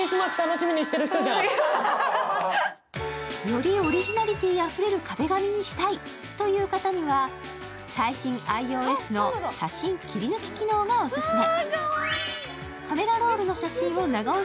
よりオリジナリティーあふれる壁紙にしたいという方には最新ｉＯＳの写真切り抜き機能がオススメ。